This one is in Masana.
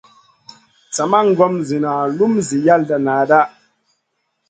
Sa ma ŋom ziyna lum zi yalda naaɗa.